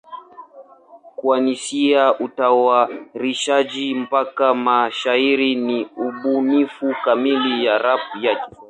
Kuanzia utayarishaji mpaka mashairi ni ubunifu kamili ya rap ya Kiswahili.